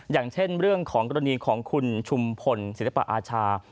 อย่างเช่นเรื่องของกรณีของคุณชุมพลศิลปอาชา